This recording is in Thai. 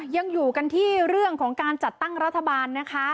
ยังอยู่กันที่เรื่องของการจัดตั้งรัฐบาลนะคะ